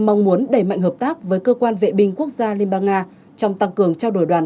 mong muốn đẩy mạnh hợp tác với cơ quan vệ binh quốc gia liên bang nga trong tăng cường trao đổi đoàn